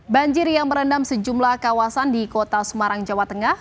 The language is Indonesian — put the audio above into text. banjir yang merendam sejumlah kawasan di kota semarang jawa tengah